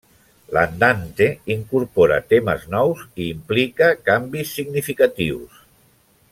L'Andante incorpora temes nous i implica canvis significatius.